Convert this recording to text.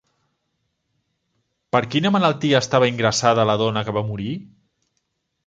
Per quina malaltia estava ingressada la dona que va morir?